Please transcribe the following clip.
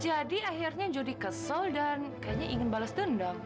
jadi akhirnya jody kesal dan kayaknya ingin balas dendam